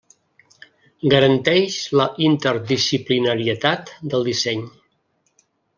Garanteix la interdisciplinarietat del disseny.